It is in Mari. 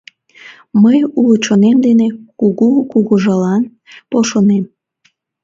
Мый уло чонем дене кугу кугыжалан полшынем...